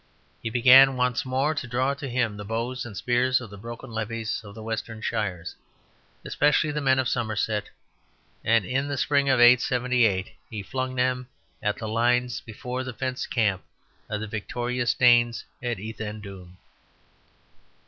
He began once more to draw to him the bows and spears of the broken levies of the western shires, especially the men of Somerset; and in the spring of 878 he flung them at the lines before the fenced camp of the victorious Danes at Ethandune.